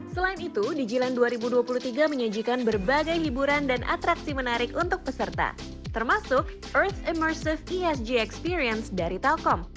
selain itu di jland dua ribu dua puluh tiga menyajikan berbagai hiburan dan atraksi menarik untuk peserta termasuk rich imersive esg experience dari telkom